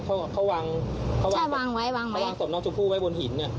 เขาเขาวางใช่วางไว้วางไว้เขาวางสมน้องชมพูไว้บนหินเนี่ย